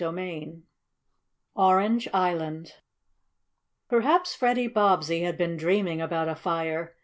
CHAPTER XX ORANGE ISLAND Perhaps Freddie Bobbsey had been dreaming about a fire.